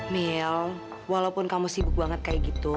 mil walaupun kamu sibuk banget kayak gitu